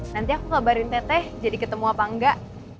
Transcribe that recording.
nanti aku kabarin teteh jadi ketemu apa enggak